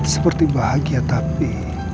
seperti bahagia tapi